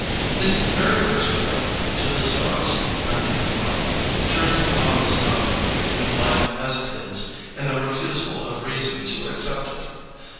His very first play, To the Stars (1905), turns upon this conflict between life as it is and the refusal of reason to accept it.